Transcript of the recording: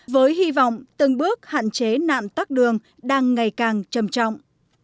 với hy vọng từng bước hạn chế nạn tắc đường đang ngày càng trầm trọng